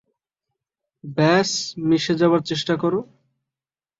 ব্যস মিশে যাবার চেষ্টা করো।